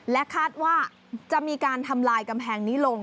และคาดว่าจะมีการทำลายกำแพงนี้ลง